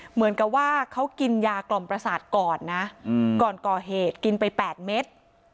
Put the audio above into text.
เหมือนกับว่าเขากินยากล่อมประสาทก่อนนะก่อนก่อเหตุกินไป๘เม็ด